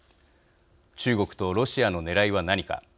中国とロシアのねらいは何か。